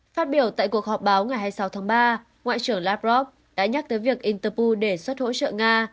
phát biểu tại cuộc họp báo ngày hai mươi sáu tháng ba ngoại trưởng lavrov đã nhắc tới việc interpu đề xuất hỗ trợ nga